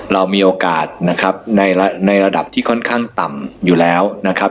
เรามีโอกาสนะครับในระดับที่ค่อนข้างต่ำอยู่แล้วนะครับ